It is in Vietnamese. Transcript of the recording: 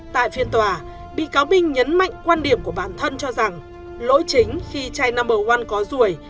tại phiên tòa bị cáo minh nhấn mạnh quan điểm của bản thân cho rằng lỗi chính khi trai number one có rùi